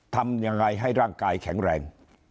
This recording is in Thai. ทำยังไงให้ร่างกายแข็งแรง